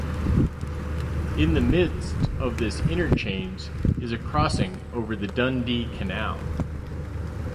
In the midst of this interchange is a crossing over the Dundee Canal.